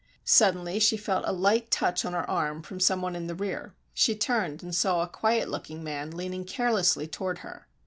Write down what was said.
Suddenly she felt a light touch on her arm from some one in the rear. She turned and saw a quiet looking man leaning carelessly toward her.